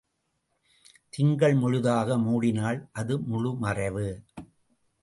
திங்கள் முழுதாக மூடினால் அது முழு மறைவு.